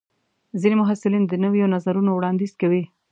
ځینې محصلین د نویو نظرونو وړاندیز کوي.